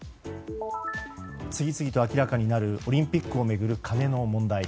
次々と明らかになるオリンピックを巡る金の問題。